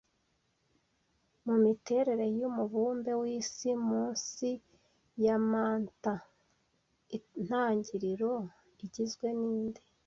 Mu miterere yumubumbe wisi, munsi ya mantant, intangiriro igizwe ninde